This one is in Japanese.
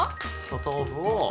お豆腐を。